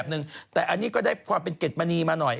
คนนี้แหละเป็นเกร็ดมณีเลย